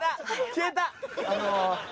消えた。